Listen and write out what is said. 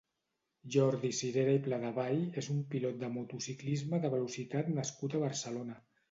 Jordi Sirera i Pladevall és un pilot de motociclisme de velocitat nascut a Barcelona.